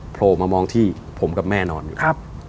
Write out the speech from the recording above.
โพลมามองที่ผมกับแม่นอนอยู่